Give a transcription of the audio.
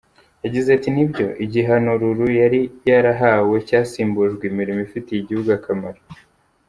Yagize ati “Nibyo, igihano Lulu yari yarahawe cyasimbujwe imirimo ifitiye igihugu akamaro.